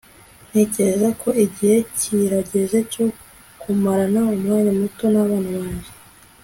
ntekereza ko igihe kirageze cyo kumarana umwanya muto nabana banjye